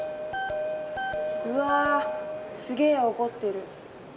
うわすげえ怒ってる。